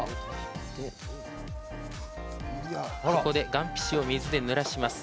ここでがん皮紙を水でぬらします。